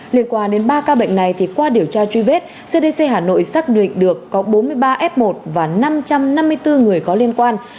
liên quan đến ba ca bệnh này thì qua điều tra truy vết cdc hà nội xác định được có bốn mươi ba f một và năm trăm năm mươi bốn người có liên quan